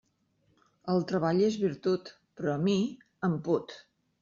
El treball és virtut, però a mi em put.